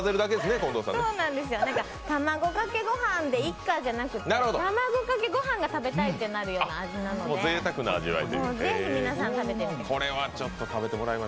卵かけご飯でいっかじゃなくて卵かけご飯が食べたいってなるような味なのでぜひ皆さん、食べてみてください。